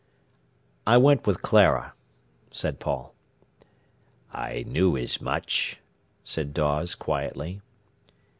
"I went with Clara," said Paul. "I knew as much," said Dawes quietly.